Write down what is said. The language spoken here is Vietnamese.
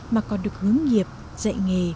mà còn được hướng nghiệp dạy nghề